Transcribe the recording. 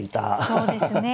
そうですね。